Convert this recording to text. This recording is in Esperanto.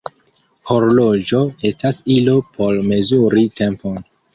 Horloĝo estas ilo por mezuri tempon.